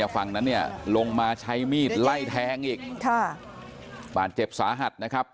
ฝั่งนั้นเนี่ยลงมาใช้มีดไล่แทงอีกค่ะบาดเจ็บสาหัสนะครับ